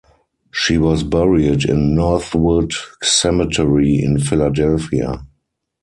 She was buried in Northwood Cemetery in Philadelphia.